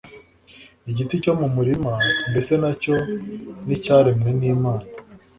Igiti cyo mu murima mbese na cyo nicyaremwe n’Imana